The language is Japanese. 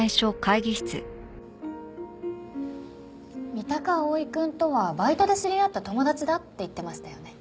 三鷹蒼くんとはバイトで知り合った友達だって言ってましたよね？